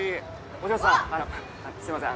お嬢さんあのすいません。